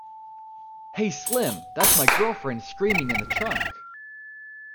Hey Slim, that's my girlfriend screaming in the trunk.